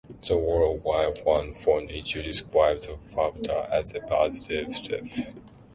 The World Wide Fund for Nature described the fatwa as a positive step.